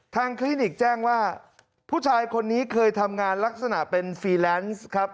คลินิกแจ้งว่าผู้ชายคนนี้เคยทำงานลักษณะเป็นฟรีแลนซ์ครับ